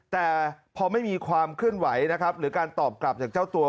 แต่พอไม่มีความเคลื่อนไหวนะครับหรือการตอบกลับจากเจ้าตัว